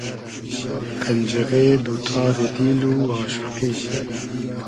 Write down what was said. قئنجیغې دو تاری دیل و آشوقی